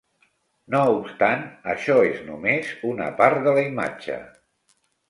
No obstant, això és només una part de la imatge.